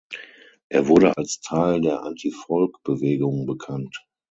Er wurde als Teil der Anti-Folk-Bewegung bekannt.